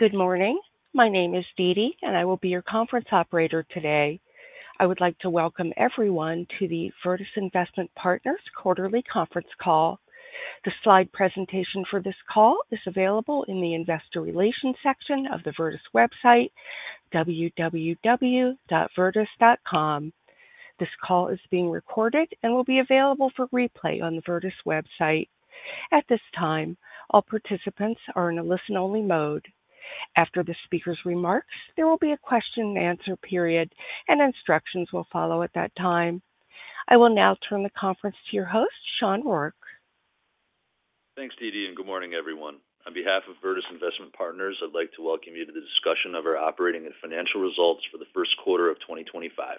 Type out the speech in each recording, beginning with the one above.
Good morning. My name is Dee Dee, and I will be your conference operator today. I would like to welcome everyone to the Virtus Investment Partners quarterly conference call. The slide presentation for this call is available in the Investor Relations section of the Virtus website, www.virtus.com. This call is being recorded and will be available for replay on the Virtus website. At this time, all participants are in a listen-only mode. After the speaker's remarks, there will be a question-and-answer period, and instructions will follow at that time. I will now turn the conference to your host, Sean Rourke. Thanks, Dee Dee, and good morning, everyone. On behalf of Virtus Investment Partners, I'd like to welcome you to the discussion of our operating and financial results for the first quarter of 2025.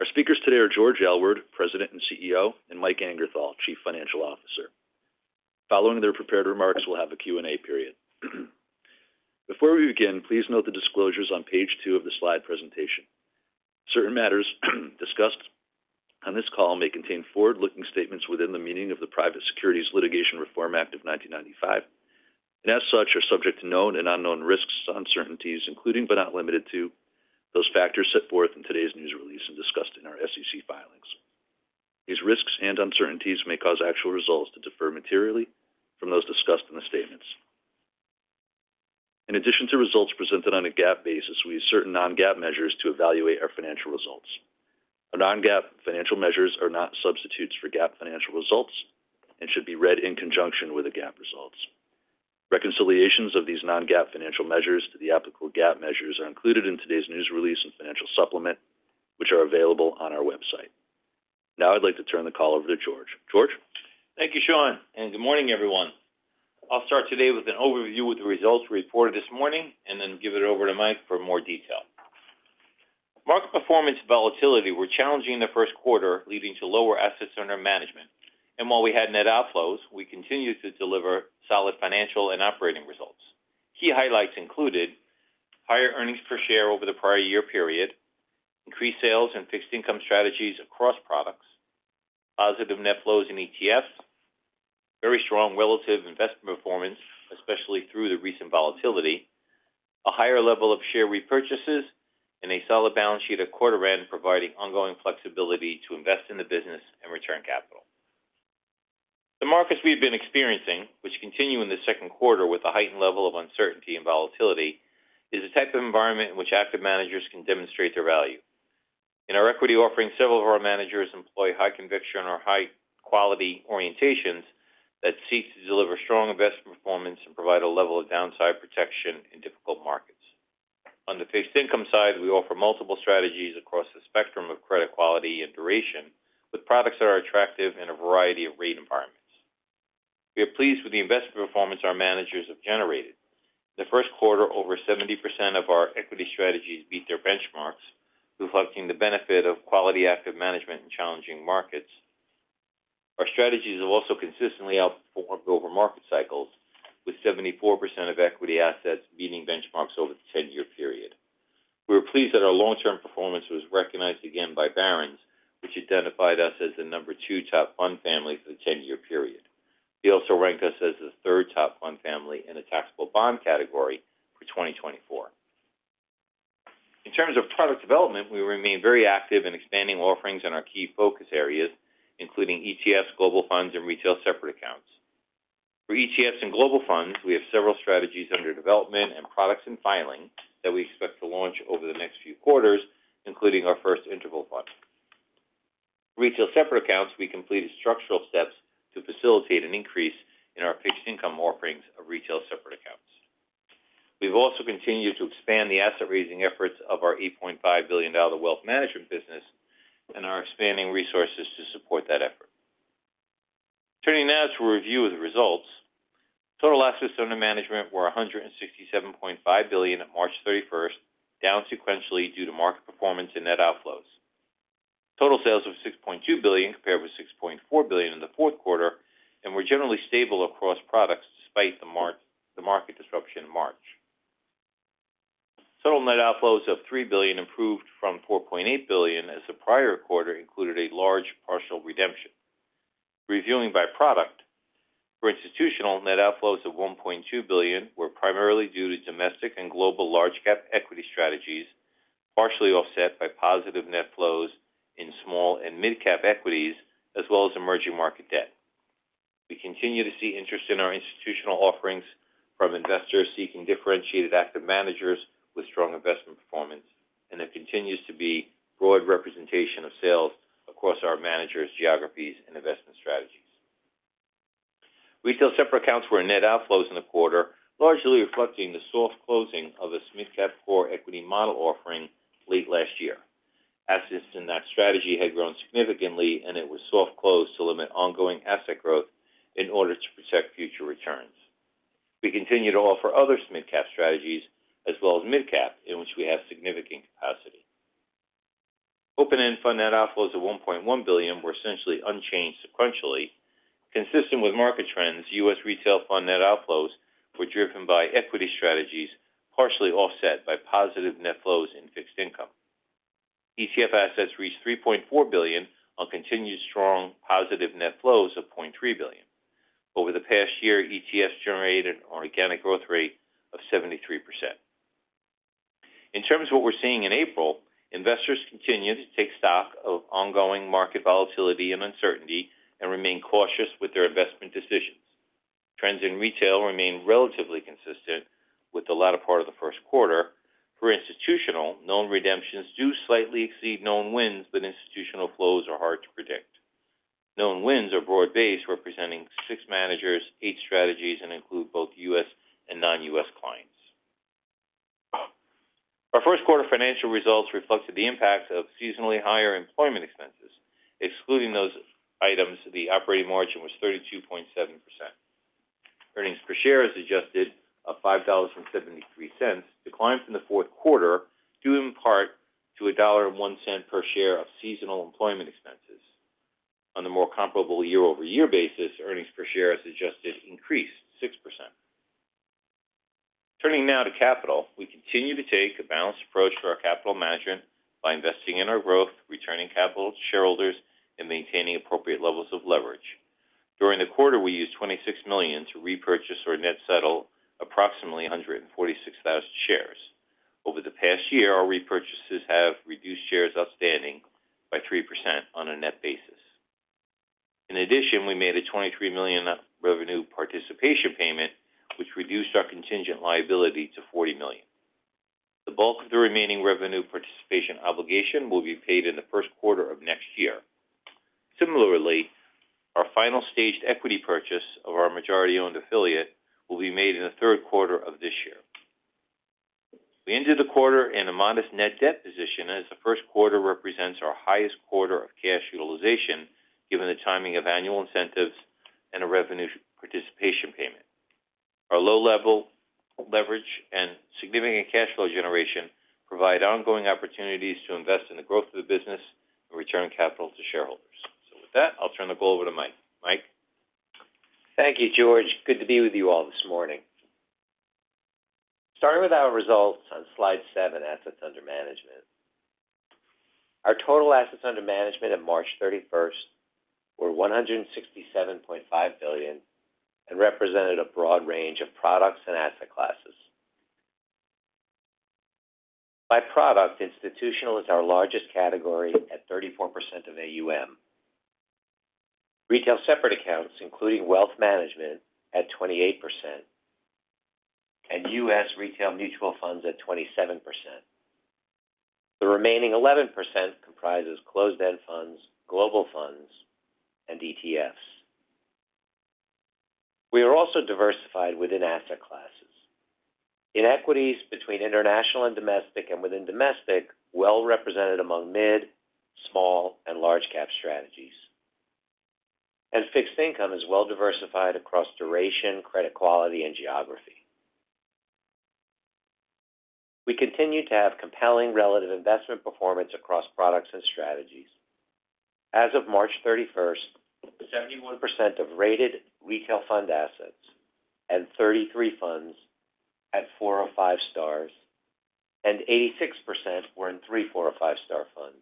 Our speakers today are George Aylward, President and CEO, and Mike Angerthal, Chief Financial Officer. Following their prepared remarks, we'll have a Q&A period. Before we begin, please note the disclosures on page two of the slide presentation. Certain matters discussed on this call may contain forward-looking statements within the meaning of the Private Securities Litigation Reform Act of 1995, and as such, are subject to known and unknown risks and uncertainties, including but not limited to those factors set forth in today's news release and discussed in our SEC filings. These risks and uncertainties may cause actual results to differ materially from those discussed in the statements. In addition to results presented on a GAAP basis, we assert non-GAAP measures to evaluate our financial results. Non-GAAP financial measures are not substitutes for GAAP financial results and should be read in conjunction with the GAAP results. Reconciliations of these non-GAAP financial measures to the applicable GAAP measures are included in today's news release and financial supplement, which are available on our website. Now, I'd like to turn the call over to George. George. Thank you, Sean, and good morning, everyone. I'll start today with an overview of the results we reported this morning and then give it over to Mike for more detail. Market performance volatility was challenging the first quarter, leading to lower assets under management. While we had net outflows, we continued to deliver solid financial and operating results. Key highlights included higher earnings per share over the prior year period, increased sales and fixed income strategies across products, positive net flows in ETFs, very strong relative investment performance, especially through the recent volatility, a higher level of share repurchases, and a solid balance sheet at quarter-end providing ongoing flexibility to invest in the business and return capital. The markets we've been experiencing, which continue in the second quarter with a heightened level of uncertainty and volatility, is a type of environment in which active managers can demonstrate their value. In our equity offering, several of our managers employ high conviction or high-quality orientations that seek to deliver strong investment performance and provide a level of downside protection in difficult markets. On the fixed income side, we offer multiple strategies across the spectrum of credit quality and duration, with products that are attractive in a variety of rate environments. We are pleased with the investment performance our managers have generated. In the first quarter, over 70% of our equity strategies beat their benchmarks, reflecting the benefit of quality active management in challenging markets. Our strategies have also consistently outperformed over market cycles, with 74% of equity assets meeting benchmarks over the 10-year period. We're pleased that our long-term performance was recognized again by Barron's, which identified us as the number two top fund family for the 10-year period. They also rank us as the third top fund family in the taxable bond category for 2024. In terms of product development, we remain very active in expanding offerings in our key focus areas, including ETFs, global funds, and retail separate accounts. For ETFs and global funds, we have several strategies under development and products in filing that we expect to launch over the next few quarters, including our first interval fund. For retail separate accounts, we completed structural steps to facilitate an increase in our fixed income offerings of retail separate accounts. We've also continued to expand the asset raising efforts of our $8.5 billion wealth management business and are expanding resources to support that effort. Turning now to a review of the results, total assets under management were $167.5 billion at March 31, down sequentially due to market performance and net outflows. Total sales were $6.2 billion, compared with $6.4 billion in the fourth quarter, and were generally stable across products despite the market disruption in March. Total net outflows of $3 billion improved from $4.8 billion as the prior quarter included a large partial redemption. Reviewing by product, for institutional, net outflows of $1.2 billion were primarily due to domestic and global large-cap equity strategies, partially offset by positive net flows in small and mid-cap equities, as well as emerging market debt. We continue to see interest in our institutional offerings from investors seeking differentiated active managers with strong investment performance, and there continues to be broad representation of sales across our managers, geographies, and investment strategies. Retail separate accounts were net outflows in the quarter, largely reflecting the soft closing of a SMID cap core equity model offering late last year. Assets in that strategy had grown significantly, and it was soft closed to limit ongoing asset growth in order to protect future returns. We continue to offer other SMID cap strategies, as well as mid-cap, in which we have significant capacity. Open-end fund net outflows of $1.1 billion were essentially unchanged sequentially. Consistent with market trends, U.S. retail fund net outflows were driven by equity strategies, partially offset by positive net flows in fixed income. ETF assets reached $3.4 billion on continued strong positive net flows of $0.3 billion. Over the past year, ETFs generated an organic growth rate of 73%. In terms of what we're seeing in April, investors continue to take stock of ongoing market volatility and uncertainty and remain cautious with their investment decisions. Trends in retail remain relatively consistent with the latter part of the first quarter. For institutional, known redemptions do slightly exceed known wins, but institutional flows are hard to predict. Known wins are broad-based, representing six managers, eight strategies, and include both U.S. and non-U.S. clients. Our first quarter financial results reflected the impact of seasonally higher employment expenses. Excluding those items, the operating margin was 32.7%. Earnings per share is adjusted of $5.73, declined from the fourth quarter, due in part to $1.01 per share of seasonal employment expenses. On the more comparable year-over-year basis, earnings per share is adjusted increased 6%. Turning now to capital, we continue to take a balanced approach to our capital management by investing in our growth, returning capital to shareholders, and maintaining appropriate levels of leverage. During the quarter, we used $26 million to repurchase or net settle approximately 146,000 shares. Over the past year, our repurchases have reduced shares outstanding by 3% on a net basis. In addition, we made a $23 million revenue participation payment, which reduced our contingent liability to $40 million. The bulk of the remaining revenue participation obligation will be paid in the first quarter of next year. Similarly, our final staged equity purchase of our majority-owned affiliate will be made in the third quarter of this year. We ended the quarter in a modest net debt position, as the first quarter represents our highest quarter of cash utilization, given the timing of annual incentives and a revenue participation payment. Our low-level leverage and significant cash flow generation provide ongoing opportunities to invest in the growth of the business and return capital to shareholders. With that, I'll turn the call over to Mike. Mike. Thank you, George. Good to be with you all this morning. Starting with our results on slide seven, assets under management. Our total assets under management at March 31 were $167.5 billion and represented a broad range of products and asset classes. By product, institutional is our largest category at 34% of AUM. Retail separate accounts, including wealth management, at 28% and U.S. retail mutual funds at 27%. The remaining 11% comprises closed-end funds, global funds, and ETFs. We are also diversified within asset classes. In equities, between international and domestic and within domestic, well represented among mid, small, and large-cap strategies. Fixed income is well diversified across duration, credit quality, and geography. We continue to have compelling relative investment performance across products and strategies. As of March 31, 71% of rated retail fund assets and 33 funds had four or five stars, and 86% were in three, four, or five-star funds.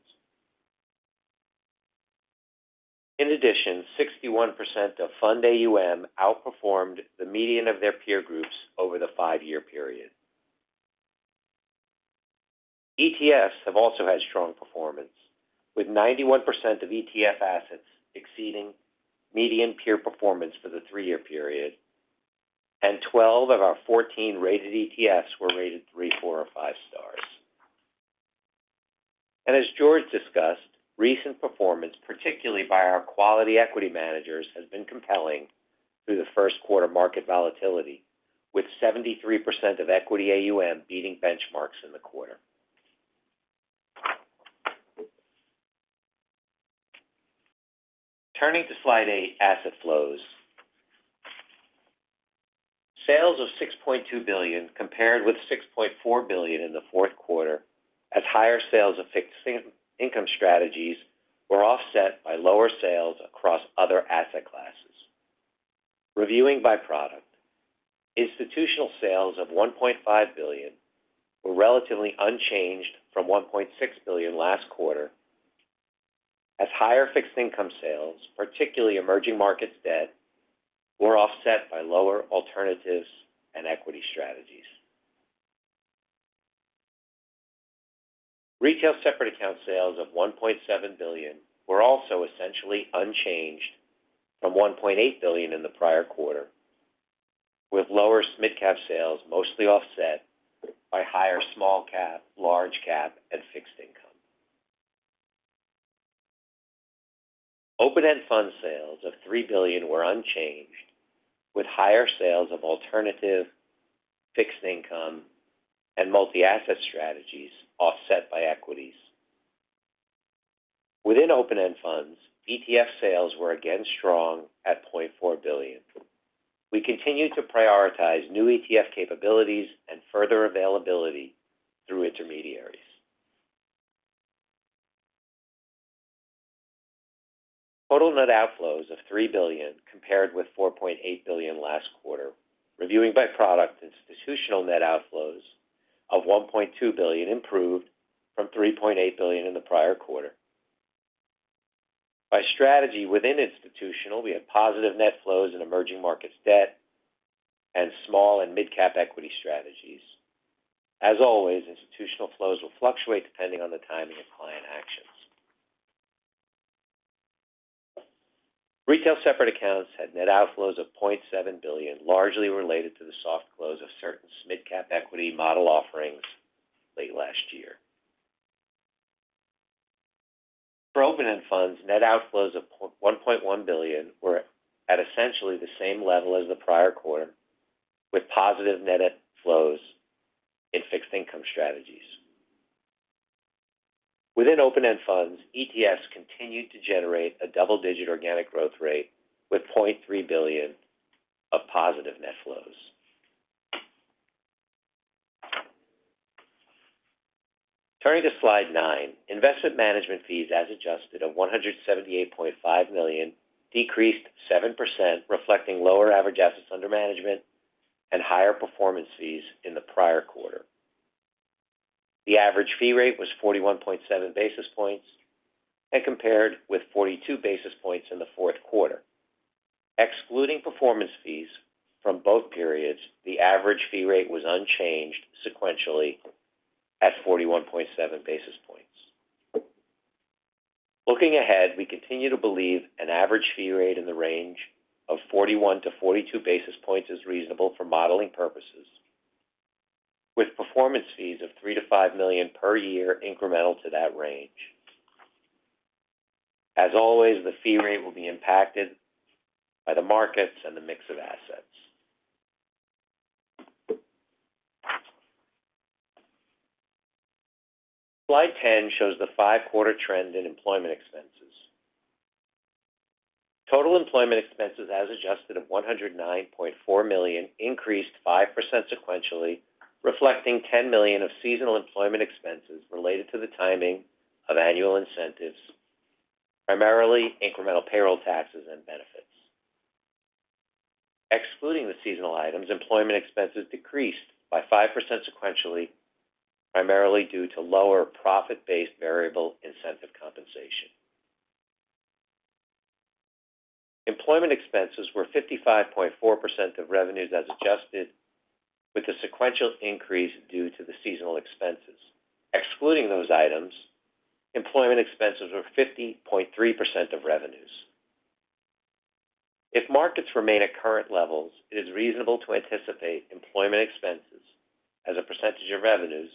In addition, 61% of fund AUM outperformed the median of their peer groups over the five-year period. ETFs have also had strong performance, with 91% of ETF assets exceeding median peer performance for the three-year period, and 12 of our 14 rated ETFs were rated three, four, or five stars. As George discussed, recent performance, particularly by our quality equity managers, has been compelling through the first quarter market volatility, with 73% of equity AUM beating benchmarks in the quarter. Turning to slide eight, asset flows. Sales of $6.2 billion compared with $6.4 billion in the fourth quarter, as higher sales of fixed income strategies were offset by lower sales across other asset classes. Reviewing by product, institutional sales of $1.5 billion were relatively unchanged from $1.6 billion last quarter, as higher fixed income sales, particularly emerging markets debt, were offset by lower alternatives and equity strategies. Retail separate account sales of $1.7 billion were also essentially unchanged from $1.8 billion in the prior quarter, with lower mid-cap sales mostly offset by higher small-cap, large-cap, and fixed income. Open-end fund sales of $3 billion were unchanged, with higher sales of alternative fixed income and multi-asset strategies offset by equities. Within open-end funds, ETF sales were again strong at $0.4 billion. We continue to prioritize new ETF capabilities and further availability through intermediaries. Total net outflows of $3 billion compared with $4.8 billion last quarter. Reviewing by product, institutional net outflows of $1.2 billion improved from $3.8 billion in the prior quarter. By strategy within institutional, we had positive net flows in emerging markets debt and small and mid-cap equity strategies. As always, institutional flows will fluctuate depending on the timing of client actions. Retail separate accounts had net outflows of $0.7 billion, largely related to the soft close of certain small-cap equity model offerings late last year. For open-end funds, net outflows of $1.1 billion were at essentially the same level as the prior quarter, with positive net flows in fixed income strategies. Within open-end funds, ETFs continued to generate a double-digit organic growth rate with $0.3 billion of positive net flows. Turning to slide nine, investment management fees as adjusted of $178.5 million decreased 7%, reflecting lower average assets under management and higher performance fees in the prior quarter. The average fee rate was 41.7 basis points and compared with 42 basis points in the fourth quarter. Excluding performance fees from both periods, the average fee rate was unchanged sequentially at 41.7 basis points. Looking ahead, we continue to believe an average fee rate in the range of 41-42 basis points is reasonable for modeling purposes, with performance fees of $3 million-$5 million per year incremental to that range. As always, the fee rate will be impacted by the markets and the mix of assets. Slide 10 shows the five-quarter trend in employment expenses. Total employment expenses as adjusted of $109.4 million increased 5% sequentially, reflecting $10 million of seasonal employment expenses related to the timing of annual incentives, primarily incremental payroll taxes and benefits. Excluding the seasonal items, employment expenses decreased by 5% sequentially, primarily due to lower profit-based variable incentive compensation. Employment expenses were 55.4% of revenues as adjusted, with a sequential increase due to the seasonal expenses. Excluding those items, employment expenses were 50.3% of revenues. If markets remain at current levels, it is reasonable to anticipate employment expenses as a percentage of revenues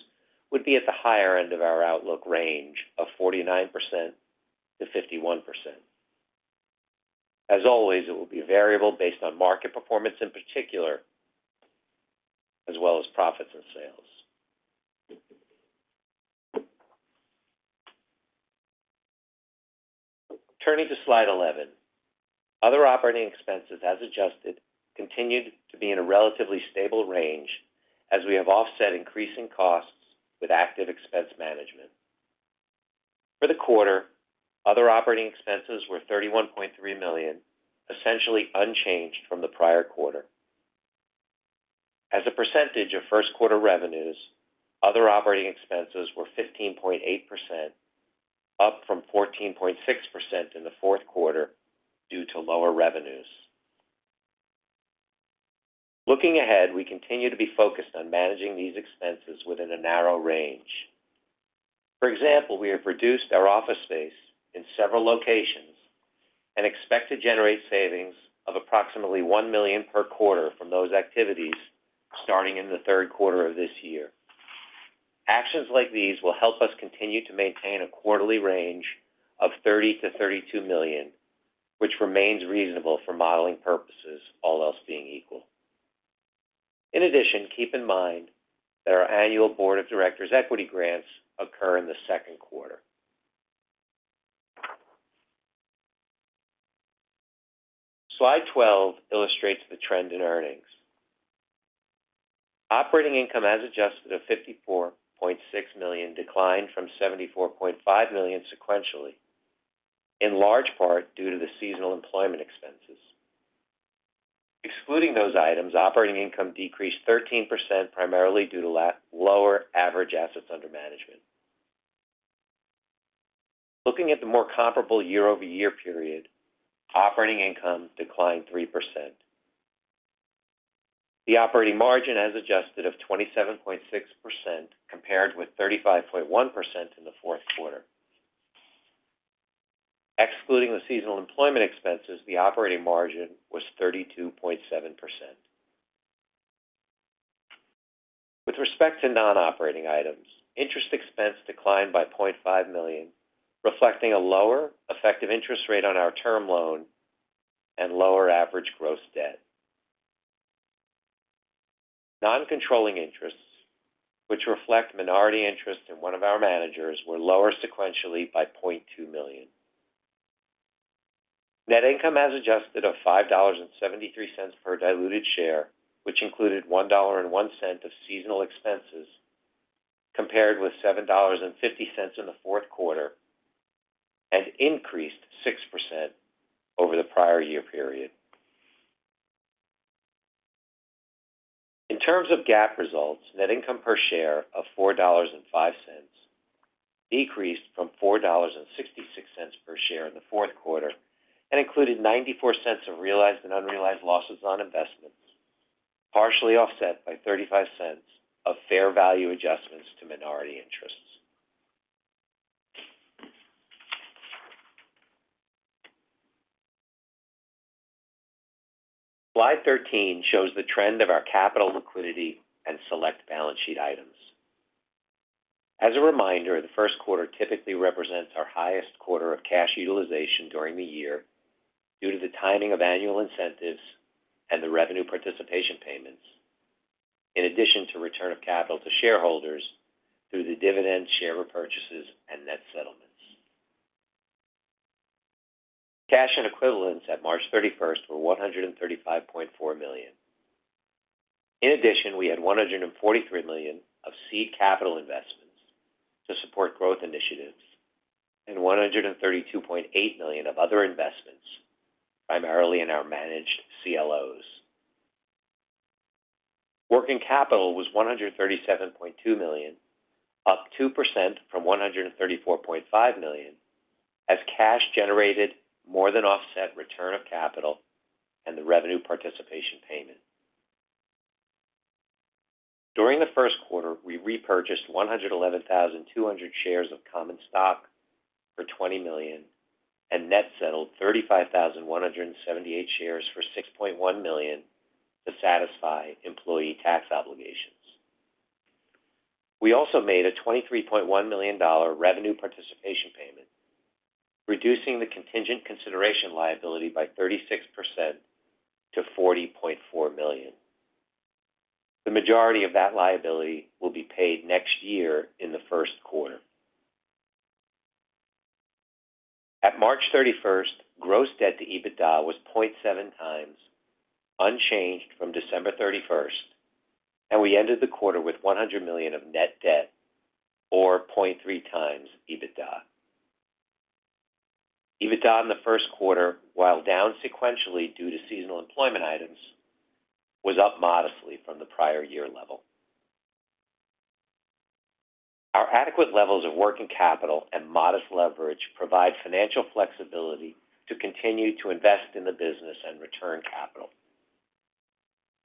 would be at the higher end of our outlook range of 49%-51%. As always, it will be variable based on market performance in particular, as well as profits and sales. Turning to slide 11, other operating expenses as adjusted continued to be in a relatively stable range as we have offset increasing costs with active expense management. For the quarter, other operating expenses were $31.3 million, essentially unchanged from the prior quarter. As a percentage of first quarter revenues, other operating expenses were 15.8%, up from 14.6% in the fourth quarter due to lower revenues. Looking ahead, we continue to be focused on managing these expenses within a narrow range. For example, we have reduced our office space in several locations and expect to generate savings of approximately $1 million per quarter from those activities starting in the third quarter of this year. Actions like these will help us continue to maintain a quarterly range of $30-$32 million, which remains reasonable for modeling purposes, all else being equal. In addition, keep in mind that our annual board of directors equity grants occur in the second quarter. Slide 12 illustrates the trend in earnings. Operating income as adjusted of $54.6 million declined from $74.5 million sequentially, in large part due to the seasonal employment expenses. Excluding those items, operating income decreased 13%, primarily due to lower average assets under management. Looking at the more comparable year-over-year period, operating income declined 3%. The operating margin as adjusted of 27.6% compared with 35.1% in the fourth quarter. Excluding the seasonal employment expenses, the operating margin was 32.7%. With respect to non-operating items, interest expense declined by $0.5 million, reflecting a lower effective interest rate on our term loan and lower average gross debt. Non-controlling interests, which reflect minority interest in one of our managers, were lower sequentially by $0.2 million. Net income as adjusted of $5.73 per diluted share, which included $1.01 of seasonal expenses, compared with $7.50 in the fourth quarter, and increased 6% over the prior year period. In terms of GAAP results, net income per share of $4.05 decreased from $4.66 per share in the fourth quarter and included $0.94 of realized and unrealized losses on investments, partially offset by $0.35 of fair value adjustments to minority interests. Slide 13 shows the trend of our capital liquidity and select balance sheet items. As a reminder, the first quarter typically represents our highest quarter of cash utilization during the year due to the timing of annual incentives and the revenue participation payments, in addition to return of capital to shareholders through the dividends, share repurchases, and net settlements. Cash and equivalents at March 31 were $135.4 million. In addition, we had $143 million of seed capital investments to support growth initiatives and $132.8 million of other investments, primarily in our managed CLOs. Working capital was $137.2 million, up 2% from $134.5 million, as cash generated more than offset return of capital and the revenue participation payment. During the first quarter, we repurchased 111,200 shares of common stock for $20 million and net settled 35,178 shares for $6.1 million to satisfy employee tax obligations. We also made a $23.1 million revenue participation payment, reducing the contingent consideration liability by 36% to $40.4 million. The majority of that liability will be paid next year in the first quarter. At March 31, gross debt to EBITDA was 0.7 times, unchanged from December 31, and we ended the quarter with $100 million of net debt, or 0.3 times EBITDA. EBITDA in the first quarter, while down sequentially due to seasonal employment items, was up modestly from the prior year level. Our adequate levels of working capital and modest leverage provide financial flexibility to continue to invest in the business and return capital.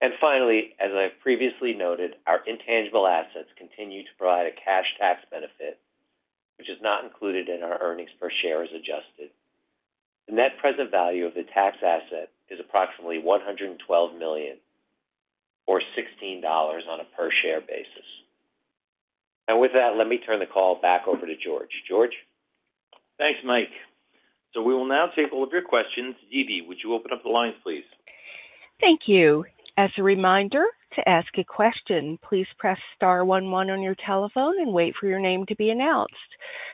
As I previously noted, our intangible assets continue to provide a cash tax benefit, which is not included in our earnings per share as adjusted. The net present value of the tax asset is approximately $112 million, or $16 on a per share basis. With that, let me turn the call back over to George. George. Thanks, Mike. We will now take all of your questions. Dee Dee, would you open up the lines, please? Thank you. As a reminder, to ask a question, please press star 11 on your telephone and wait for your name to be announced.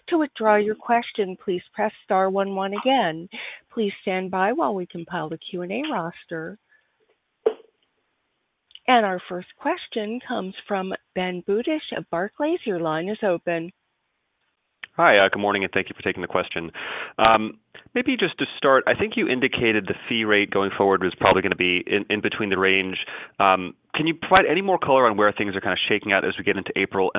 To withdraw your question, please press star 11 again. Please stand by while we compile the Q&A roster. Our first question comes from Ben Budish of Barclays. Your line is open. Hi, good morning, and thank you for taking the question. Maybe just to start, I think you indicated the fee rate going forward was probably going to be in between the range. Can you provide any more color on where things are kind of shaking out as we get into April? I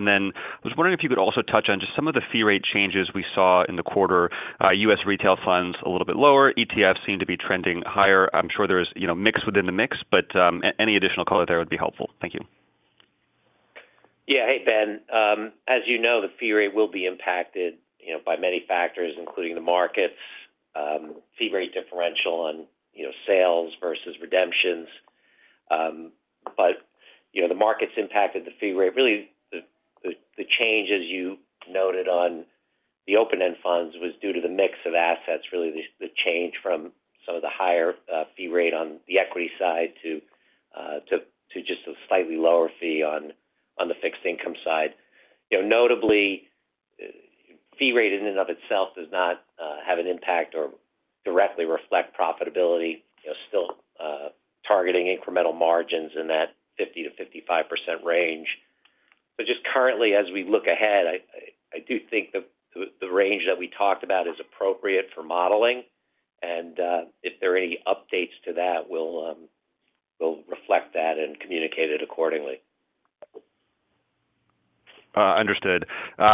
was wondering if you could also touch on just some of the fee rate changes we saw in the quarter. U.S. retail funds a little bit lower, ETFs seem to be trending higher. I'm sure there's mix within the mix, but any additional color there would be helpful. Thank you. Yeah, hey, Ben. As you know, the fee rate will be impacted by many factors, including the markets, fee rate differential, and sales versus redemptions. The markets impacted the fee rate. Really, the change, as you noted on the open-end funds, was due to the mix of assets, really the change from some of the higher fee rate on the equity side to just a slightly lower fee on the fixed income side. Notably, fee rate in and of itself does not have an impact or directly reflect profitability, still targeting incremental margins in that 50-55% range. Just currently, as we look ahead, I do think the range that we talked about is appropriate for modeling. If there are any updates to that, we'll reflect that and communicate it accordingly. Understood.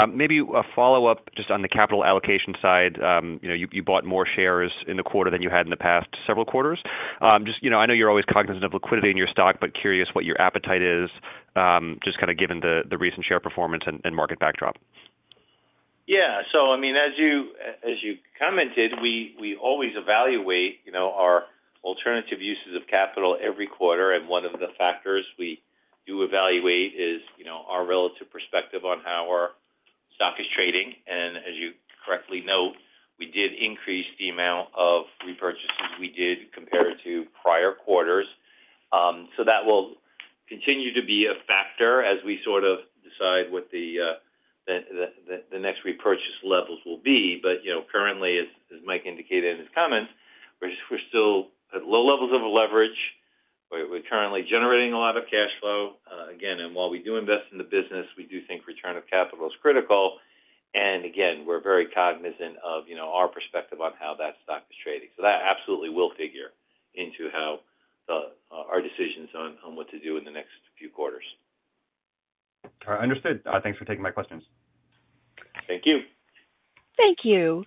Maybe a follow-up just on the capital allocation side. You bought more shares in the quarter than you had in the past several quarters. I know you're always cognizant of liquidity in your stock, but curious what your appetite is, just kind of given the recent share performance and market backdrop. Yeah. I mean, as you commented, we always evaluate our alternative uses of capital every quarter. One of the factors we do evaluate is our relative perspective on how our stock is trading. As you correctly note, we did increase the amount of repurchases we did compared to prior quarters. That will continue to be a factor as we sort of decide what the next repurchase levels will be. Currently, as Mike indicated in his comments, we're still at low levels of leverage. We're currently generating a lot of cash flow. Again, while we do invest in the business, we do think return of capital is critical. Again, we're very cognizant of our perspective on how that stock is trading. That absolutely will figure into our decisions on what to do in the next few quarters. All right. Understood. Thanks for taking my questions. Thank you. Thank you.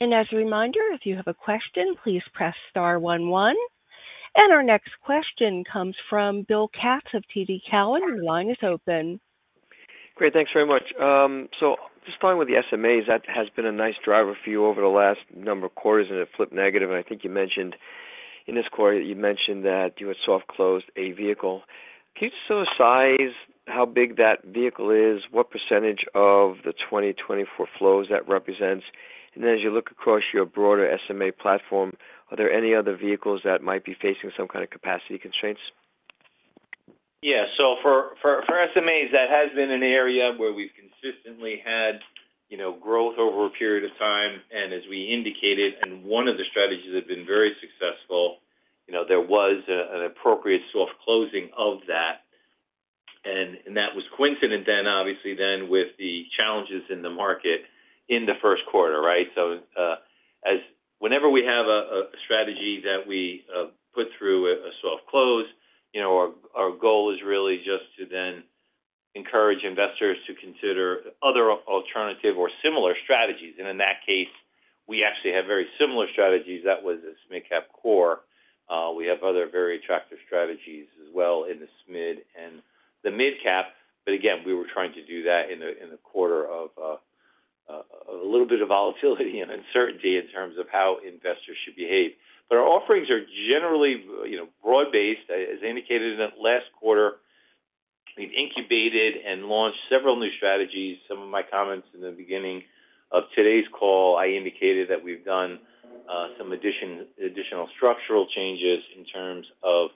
As a reminder, if you have a question, please press star 11. Our next question comes from Bill Katz of TD Cowen. Your line is open. Great. Thanks very much. Just starting with the SMAs, that has been a nice driver for you over the last number of quarters, and it flipped negative. I think you mentioned in this quarter, you mentioned that you had soft-closed a vehicle. Can you just sort of size how big that vehicle is, what percentage of the 2024 flows that represents? As you look across your broader SMA platform, are there any other vehicles that might be facing some kind of capacity constraints? Yeah. For SMAs, that has been an area where we've consistently had growth over a period of time. As we indicated, and one of the strategies that have been very successful, there was an appropriate soft closing of that. That was coincident then, obviously, then with the challenges in the market in the first quarter, right? Whenever we have a strategy that we put through a soft close, our goal is really just to then encourage investors to consider other alternative or similar strategies. In that case, we actually have very similar strategies. That was a SMIDCAP core. We have other very attractive strategies as well in the SMID and the MIDCAP. We were trying to do that in a quarter of a little bit of volatility and uncertainty in terms of how investors should behave. Our offerings are generally broad-based. As indicated in the last quarter, we've incubated and launched several new strategies. Some of my comments in the beginning of today's call, I indicated that we've done some additional structural changes in terms of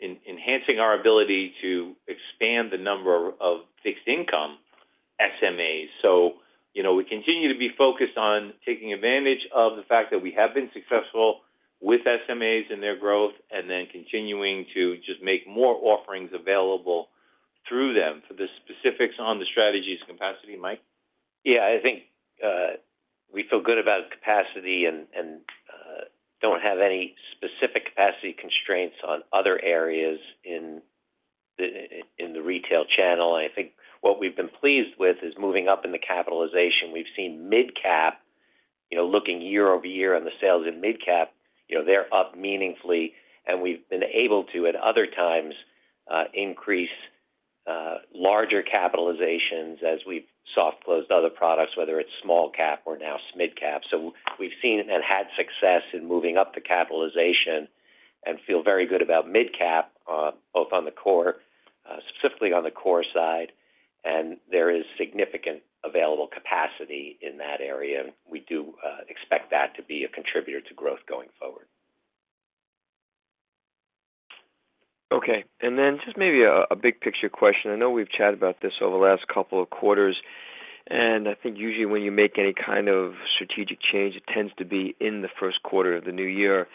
enhancing our ability to expand the number of fixed income SMAs. We continue to be focused on taking advantage of the fact that we have been successful with SMAs and their growth, and then continuing to just make more offerings available through them. For the specifics on the strategies and capacity, Mike? Yeah. I think we feel good about capacity and do not have any specific capacity constraints on other areas in the retail channel. I think what we have been pleased with is moving up in the capitalization. We have seen MIDCAP looking year over year on the sales in MIDCAP, they are up meaningfully. We have been able to, at other times, increase larger capitalizations as we have soft-closed other products, whether it is small cap or now SMIDCAP. We have seen and had success in moving up the capitalization and feel very good about MIDCAP, both on the core, specifically on the core side. There is significant available capacity in that area. We do expect that to be a contributor to growth going forward. Okay. Maybe a big picture question. I know we've chatted about this over the last couple of quarters. I think usually when you make any kind of strategic change, it tends to be in the first quarter of the new year.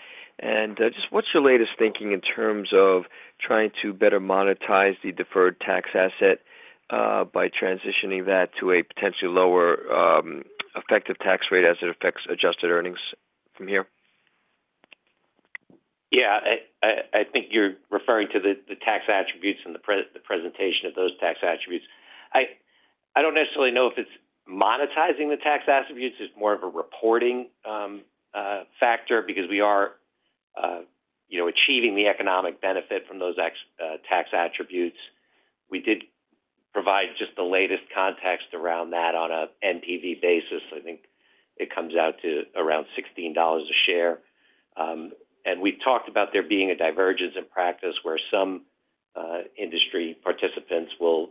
What's your latest thinking in terms of trying to better monetize the deferred tax asset by transitioning that to a potentially lower effective tax rate as it affects adjusted earnings from here? Yeah. I think you're referring to the tax attributes and the presentation of those tax attributes. I don't necessarily know if it's monetizing the tax attributes. It's more of a reporting factor because we are achieving the economic benefit from those tax attributes. We did provide just the latest context around that on a NPV basis. I think it comes out to around $16 a share. We have talked about there being a divergence in practice where some industry participants will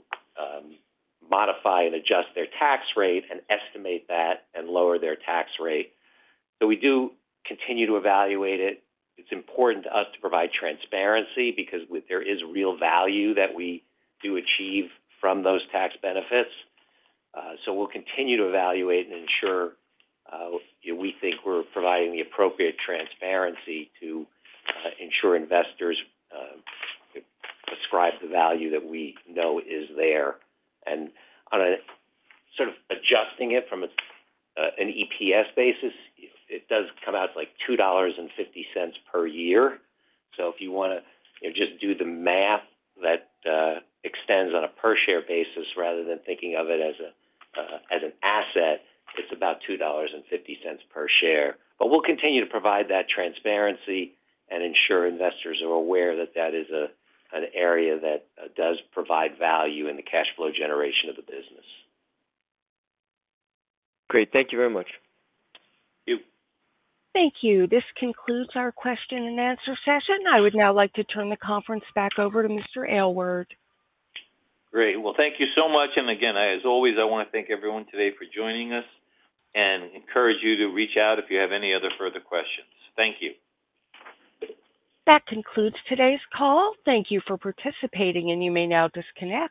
modify and adjust their tax rate and estimate that and lower their tax rate. We do continue to evaluate it. It is important to us to provide transparency because there is real value that we do achieve from those tax benefits. We will continue to evaluate and ensure we think we are providing the appropriate transparency to ensure investors ascribe the value that we know is there. On a sort of adjusting it from an EPS basis, it does come out to like $2.50 per year. If you want to just do the math that extends on a per share basis rather than thinking of it as an asset, it's about $2.50 per share. We'll continue to provide that transparency and ensure investors are aware that that is an area that does provide value in the cash flow generation of the business. Great. Thank you very much. Thank you. This concludes our question and answer session. I would now like to turn the conference back over to Mr. Aylward. Great. Thank you so much. As always, I want to thank everyone today for joining us and encourage you to reach out if you have any other further questions. Thank you. That concludes today's call. Thank you for participating, and you may now disconnect.